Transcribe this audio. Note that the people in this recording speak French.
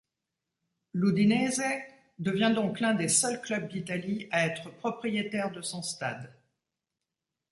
L'Udinese devient donc l'un des seuls club d'Italie a être propriétaire de son stade.